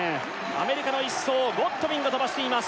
アメリカの１走ゴッドウィンが飛ばしています